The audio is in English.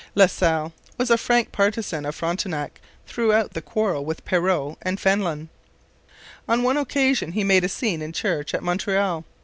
La Salle was a frank partisan of Frontenac throughout the quarrel with Perrot and Fenelon. On one occasion he made a scene in church at Montreal.